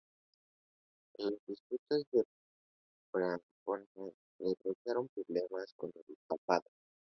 Las disputas con Pamplona le causaron problemas con el papado.